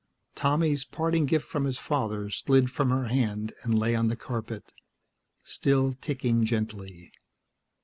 Tommy's parting gift from his father slid from her hand and lay on the carpet, still ticking gently.